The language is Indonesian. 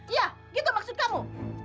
iya gitu maksud kamu